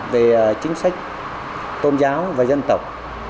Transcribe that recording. về chính sách tôn giáo và dân tộc